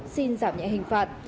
xin giảm nhẹ hình phạt